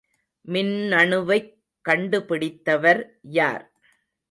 மின்னணுவைக் கண்டுபிடித்தவர் யார்?